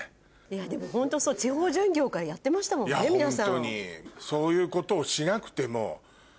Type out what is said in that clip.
ホントそう地方巡業からやってましたもんね皆さん。